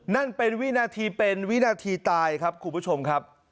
นั่นเป็นวินาทีเป็นวินาทีตายครับคุณผู้ชมครับ